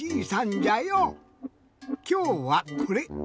きょうはこれ。